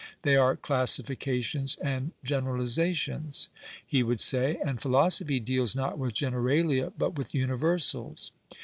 They are classifications and generalizations, he would say, and philosophy deals not with goicrnlia but with univer sals.